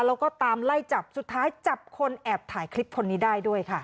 แล้วก็ตามไล่จับสุดท้ายจับคนแอบถ่ายคลิปคนนี้ได้ด้วยค่ะ